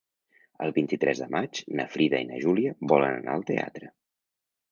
El vint-i-tres de maig na Frida i na Júlia volen anar al teatre.